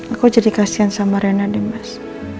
aku jadi kasihan sama reina demas